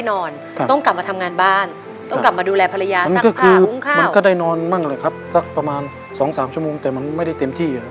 นอนบ้างแหละครับสักประมาณ๒๓ชั่วโมงแต่มันไม่ได้เต็มที่